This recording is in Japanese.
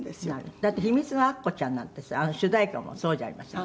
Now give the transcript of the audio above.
だって『ひみつのアッコちゃん』なんてさあの主題歌もそうじゃありませんか。